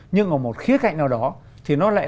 nhưng ở một khía cạnh nào đó thì nó lại